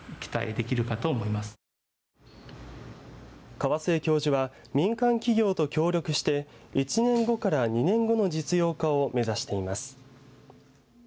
川末教授は民間企業と協力して１年後から２年後の実用化を目指しています。